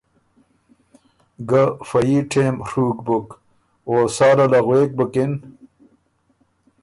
ګۀ فۀ يي ټېم ڒُوک بُک، او ساله له غوېک بُکِن